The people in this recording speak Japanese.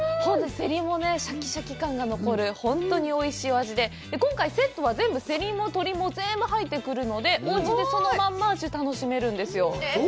セリもしゃきしゃき感が残る、本当においしいお味で、今回セットは全部セリも鶏も全部入ってくるので、おうちでそのままの味を楽しめるんですよ。